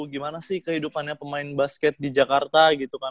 gimana sih kehidupannya pemain basket di jakarta gitu kan